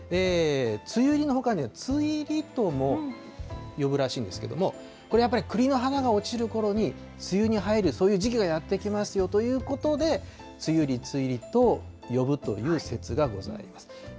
つゆりのほかに、ついりとも呼ぶらしいんですけども、これやっぱり、クリの花が落ちるころに、梅雨に入る、そういう時期がやって来ますよということで、つゆり、ついりと呼ぶという説がございます。